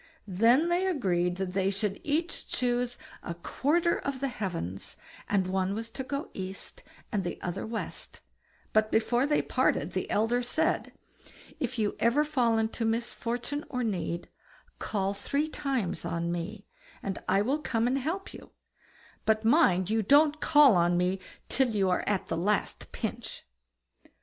Then they agreed that they should each choose a quarter of the heavens, and one was to go east and the other west; but before they parted, the elder said: "If you ever fall into misfortune or need, call three times on me, and I will come and help you; but mind you don't call on me till you are at the last pinch."